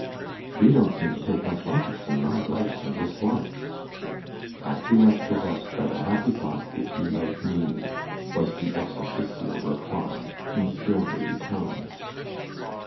'You don't seem to take much interest in my likes and dislikes.' 'I'm too much possessed by the happy thought that you like me,' was the ex officio reply, in silvery tones.